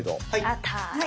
あった！